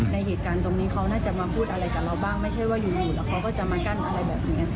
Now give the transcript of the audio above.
ในเหตุการณ์ตรงนี้เขาน่าจะมาพูดอะไรกับเราบ้างไม่ใช่ว่าอยู่แล้วเขาก็จะมากั้นอะไรแบบนี้